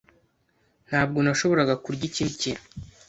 Ntabwo nashoboraga kurya ikindi kintu.